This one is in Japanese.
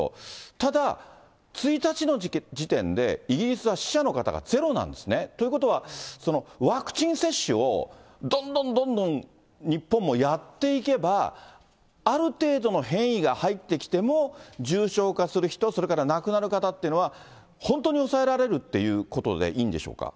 ただ、１日の時点で、イギリスは死者の方がゼロなんですね、ということは、ワクチン接種をどんどんどんどん日本もやっていけば、ある程度の変異が入ってきても、重症化する人、それから亡くなる方っていうのは、本当に抑えられるっていうことでいいんでしょうか？